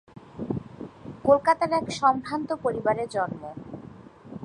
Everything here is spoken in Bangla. কলকাতার এক সম্ভ্রান্ত পরিবারে জন্ম।